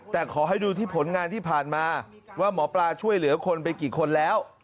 แต่ขอให้ดูที่ผลงานที่ผ่านมาว่าหมอปลาช่วยเหลือคนไปกี่คนแล้ว